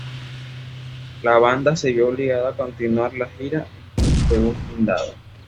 La banda se vio obligada a continuar la gira en un autobús blindado.